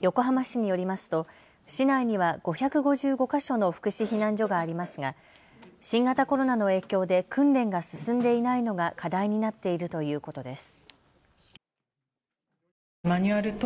横浜市によりますと市内には５５５か所の福祉避難所がありますが新型コロナの影響で訓練が進んでいないのが課題になっているということです。